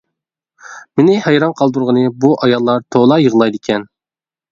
مېنى ھەيران قالدۇرغىنى بۇ ئاياللار تولا يىغلايدىكەن.